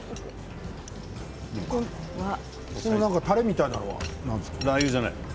このたれみたいなものは何ですか？